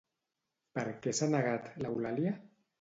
Per què s'ha negat, l'Eulàlia?